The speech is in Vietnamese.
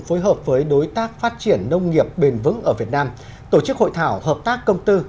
phối hợp với đối tác phát triển nông nghiệp bền vững ở việt nam tổ chức hội thảo hợp tác công tư